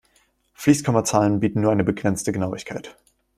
Fließkommazahlen bieten nur eine begrenzte Genauigkeit.